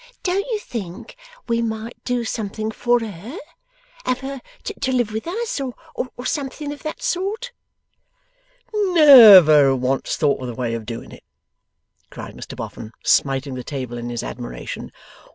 Don't you think we might do something for her? Have her to live with us? Or something of that sort?' 'Ne ver once thought of the way of doing it!' cried Mr Boffin, smiting the table in his admiration.